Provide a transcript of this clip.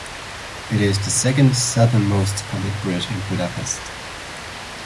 It is the second southernmost public bridge in Budapest.